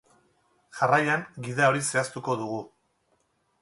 Jarraian, gida hori zehaztuko dugu.